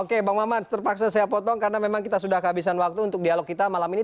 oke bang maman terpaksa saya potong karena memang kita sudah kehabisan waktu untuk dialog kita malam ini